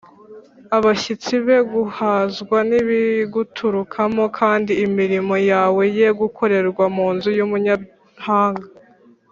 abashyitsi be guhazwa n’ibiguturukamo, kandi imirimo yawe ye gukorerwa mu nzu y’umunyamahanga